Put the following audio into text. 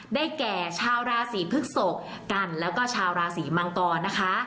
ได้แก่ชาวราศีพฤกษกกันแล้วก็ชาวราศีมังกรนะคะ